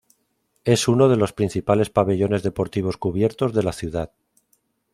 Es uno de los principales pabellones deportivos cubiertos de la ciudad.